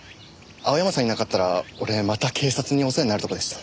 青山さんいなかったら俺また警察にお世話になるとこでした。